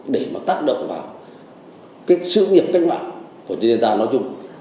để mà tác động vào cái sự nghiệp cách mạng của chúng ta nói chung